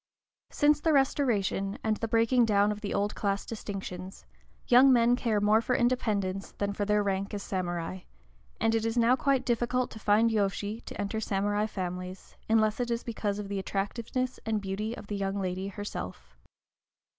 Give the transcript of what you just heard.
Since the Restoration, and the breaking down of the old class distinctions, young men care more for independence than for their rank as samurai; and it is now quite difficult to find yōshi to enter samurai families, unless it be because of the attractiveness and beauty of the young lady herself.